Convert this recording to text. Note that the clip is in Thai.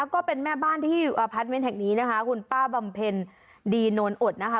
ก็เป็นแม่บ้านที่อพาร์ทเมนต์แห่งนี้นะคะคุณป้าบำเพ็ญดีโนนอดนะคะ